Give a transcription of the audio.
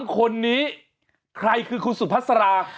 คนนี้ใครคือคุณสุพัสรา